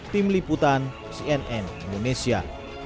tim liputan cnn indonesia